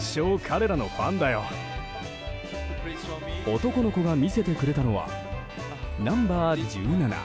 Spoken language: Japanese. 男の子が見せてくれたのはナンバー１７